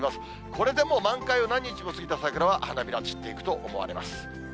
これでもう、満開を何日も過ぎた桜は花びら散っていくと思われます。